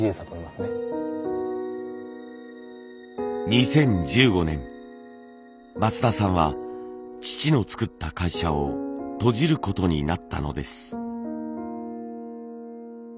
２０１５年増田さんは父の作った会社を閉じることになったのです。